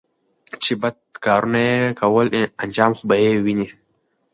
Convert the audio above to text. چې بد کارونه يې کول انجام خو به یې ویني